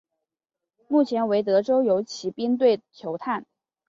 目前为德州游骑兵队球探。